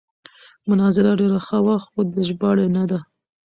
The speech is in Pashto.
مناظره ډېره ښه وه خو د ژباړې نه ده.